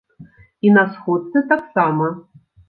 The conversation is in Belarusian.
І на сходцы таксама.